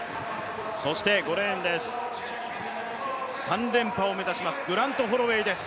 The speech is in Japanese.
そして５レーンです、３連覇を目指します、グラント・ホロウェイです。